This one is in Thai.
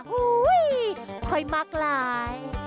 ฮู้ยค่อยมากร้าย